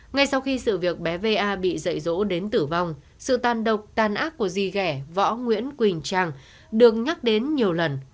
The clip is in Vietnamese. ngay sau khi sự việc bé va bị dậy rỗ đến tử vong sự tàn độc tàn ác của di ghẻ võ nguyễn quỳnh trang được nhắc đến nhiều lần